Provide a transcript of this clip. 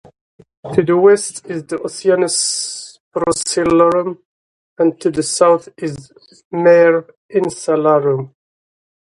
To the west is the Oceanus Procellarum, and to the south is Mare Insularum.